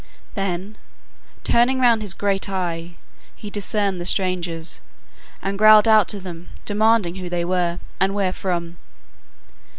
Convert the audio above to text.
Then, turning round his great eye, he discerned the strangers, and growled out to them, demanding who they were, and where from.